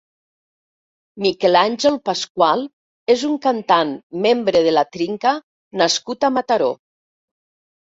Miquel Àngel Pasqual és un cantant, membre de La Trinca nascut a Mataró.